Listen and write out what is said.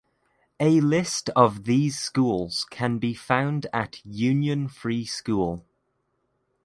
A list of these schools can be found at Union Free School.